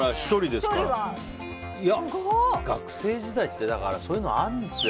だから学生時代ってそういうのあるんですよ。